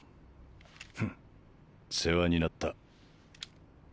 ふん世話になった。